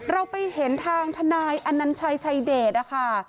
เราไปเห็นทางทนายอนัญชัยชายเดชนะคะ